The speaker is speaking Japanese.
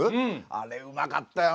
あれうまかったよな！